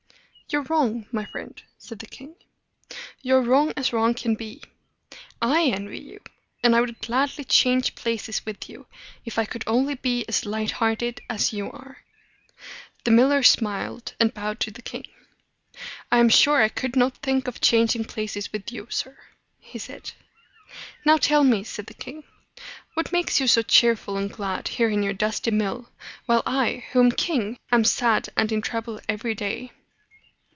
"You're wrong, my friend," said the king. "You're wrong as wrong can be. I envy you; and I would gladly change places with you, if I could only be as light hearted as you are." The miller smiled, and bowed to the king. "I am sure I could not think of changing places with you, sir," he said. "Now tell me," said the king, "what makes you so cheerful and glad here in your dusty mill, while I, who am king, am sad and in trouble every day."